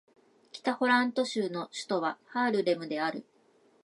北ホラント州の州都はハールレムである